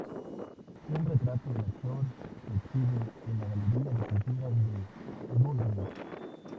Un retrato del actor se exhibe en la galería de pinturas de Dulwich.